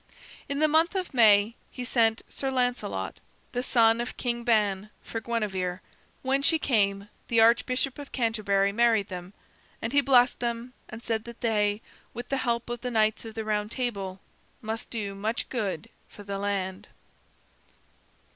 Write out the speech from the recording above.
In the month of May he sent Sir Lancelot, the son of King Ban, for Guinevere. When she came, the Archbishop of Canterbury married them. And he blessed them and said that they, with the help of the Knights of the Round Table, must do much good for the land.